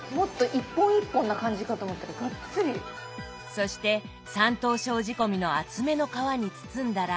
そして山東省仕込みの厚めの皮に包んだら。